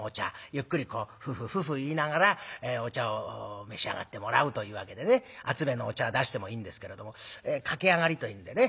ゆっくりこうフフフフ言いながらお茶を召し上がってもらうというわけでね熱めのお茶出してもいいんですけれども駆け上がりといってね